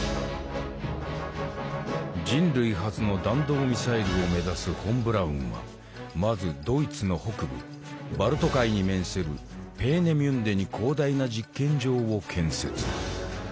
人類初の弾道ミサイルを目指すフォン・ブラウンはまずドイツの北部バルト海に面するペーネミュンデに広大な実験場を建設。